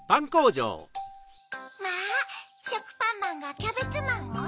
・まぁしょくぱんまんがキャベツマンを？